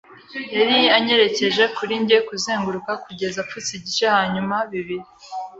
yari anyerekeje kuri njye - kuzenguruka kugeza apfutse igice hanyuma bibiri